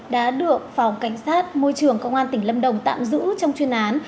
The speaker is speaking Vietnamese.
đã được phòng cảnh sát môi trường công an tỉnh lâm đồng tạm giữ trong chuyên án